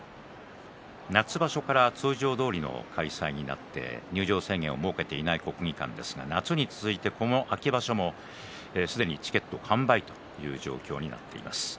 夏場所から通常どおりの開催になって入場制限を設けていない国技館ですが夏に続いてこの秋場所もすでにチケット完売という状況になっています。